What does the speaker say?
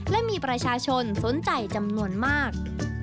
และมีประชาชนสนใจจำนวนมาก